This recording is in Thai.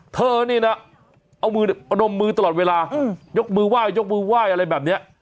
เธอนี่นะเอามือนมมือตลอดเวลายกมือไหว้ยกมือไหว้อะไรแบบนี้